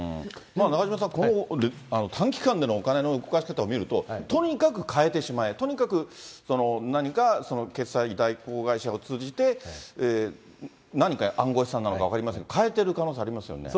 中島さん、短期間でのお金の動かし方を見ると、とにかくかえてしまえ、とにかく何か決済代行会社を通じて、何かに、暗号資産なのか分かりません、そうですね。